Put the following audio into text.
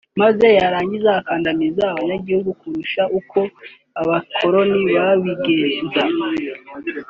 maze yarangiza agakandamiza abenegihugu kurusha uko abakoloni babigenza